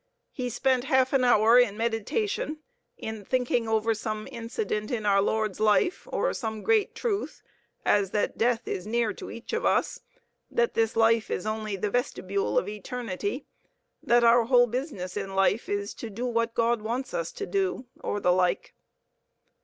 He spent half an hour in meditation, in thinking over some incident in our Lord's life or some great truth, as that death is near to each of us, that this life is only the vestibule of eternity, that our whole business in life is to do what God wants us to do, or the like.